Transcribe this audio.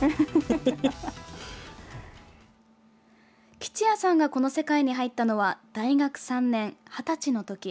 吉也さんがこの世界に入ったのは大学３年、二十歳の時。